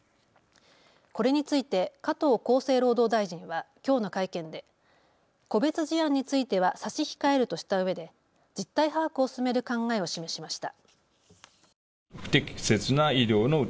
これについて加藤厚生労働大臣はきょうの会見で個別事案については差し控えるとしたうえで実態把握を進める考えを示しました。